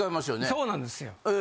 そうなんですよ。